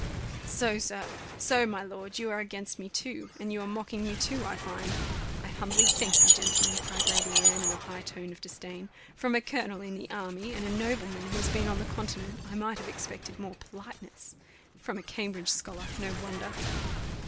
"So, sir! So, my lord, you are against me too, and you are mocking me too, I find. I humbly thank you, gentlemen," cried Lady Anne, in a high tone of disdain; "from a colonel in the army, and a nobleman who has been on the continent, I might have expected more politeness. From a Cambridge scholar no wonder!"